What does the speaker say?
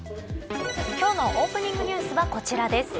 今日のオープニングニュースはこちらです。